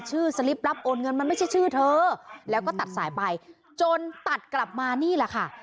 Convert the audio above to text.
ชื่อเธอแล้วก็ตัดสายไปจนตัดกลับมานี่แหละค่ะ